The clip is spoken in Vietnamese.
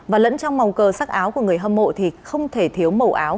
và lẫn trong mồng cờ sắc áo của người hâm mộ thì không thể thiếu màu áo